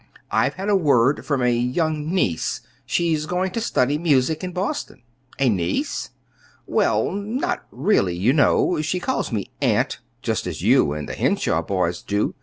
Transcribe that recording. "I've had word from a young niece. She's going to study music in Boston." "A niece?" "Well, not really, you know. She calls me 'Aunt,' just as you and the Henshaw boys do.